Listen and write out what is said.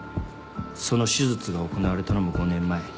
その手術が行われたのも５年前。